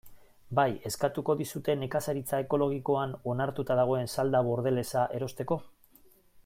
Bai eskatuko dizute nekazaritza ekologikoan onartuta dagoen salda bordelesa erosteko?